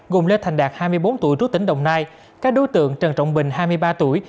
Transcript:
gồm lê thành đạt hai mươi bốn tuổi trú tỉnh đồng nai các đối tượng trần trọng bình hai mươi ba tuổi